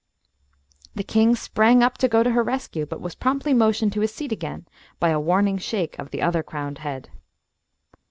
The king sprang up to go to her rescue, but was promptly motioned to his seat again by a warning shake of the other crowned head.